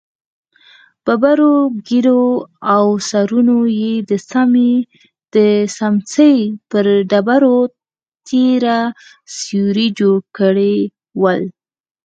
ببرو ږېرو او سرونو يې د سمڅې پر ډبرو تېره سيوري جوړ کړي ول.